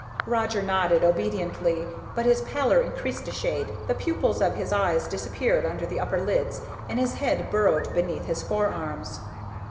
Roger nodded obediently. But his pallor increased a shade, the pupils of his eyes disappeared under the upper lids, and his head burrowed beneath his forearms.